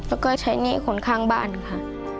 แล้วก็ใช้หนี้คนข้างบ้านค่ะ